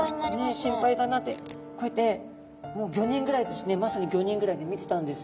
心配だなってこうやってもう５人ぐらいですねまさに５人ぐらいで見てたんです。